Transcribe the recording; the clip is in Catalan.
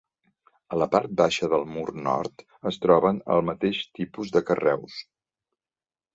A la part baixa del mur nord es troben el mateix tipus de carreus.